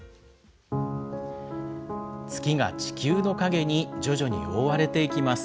月が地球の影に徐々に覆われていきます。